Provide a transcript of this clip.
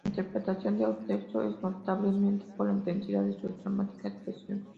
Su interpretación de Otello es notable por la intensidad de su dramática expresión.